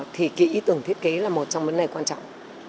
thì cái ý tưởng thiết kế là một trong vấn đề quan trọng